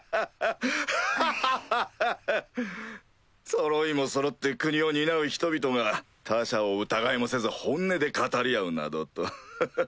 そろいもそろって国を担う人々が他者を疑いもせず本音で語り合うなどとハハっ。